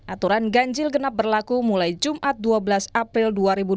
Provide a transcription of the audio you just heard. aturan ganjil genap berlaku mulai jumat dua belas april dua ribu dua puluh